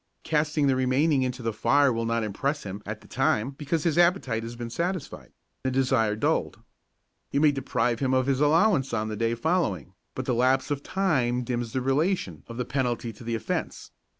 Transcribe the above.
Casting the remainder into the fire will not impress him at the time because his appetite has been satisfied, the desire is dulled. You may deprive him of his allowance on the day following, but the lapse of time dims the relation of the penalty to the offence.